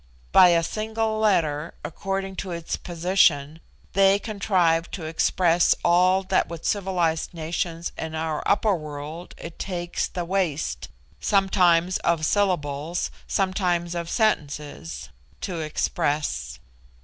By a single letter, according to its position, they contrive to express all that with civilised nations in our upper world it takes the waste, sometimes of syllables, sometimes of sentences, to express.